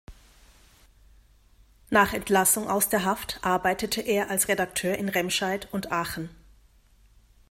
Nach Entlassung aus der Haft arbeitete er als Redakteur in Remscheid und Aachen.